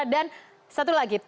dan satu lagi